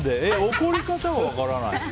怒り方が分からない？